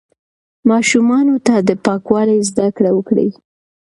ماشومانو ته د پاکوالي زده کړه ورکړئ.